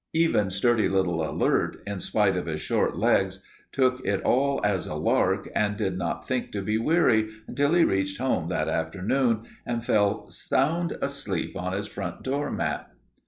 Even sturdy little Alert, in spite of his short legs, took it all as a lark and did not think to be weary until he reached home that afternoon and fell sound asleep on his front door mat.